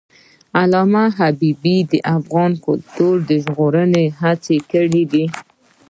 علامه حبیبي د افغان کلتور د ژغورنې هڅې کړی دي.